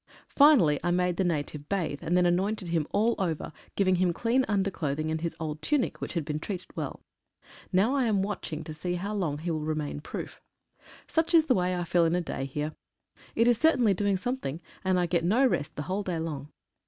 Finally I made the native bathe, and then anointed him all over, giving him clean underclothing and his old tunic, which had been treated well. Now I am watching to see how long he will remain proof. Such is the way I fill in a day here. It is certainly doing something, and I get no rest the whole day long.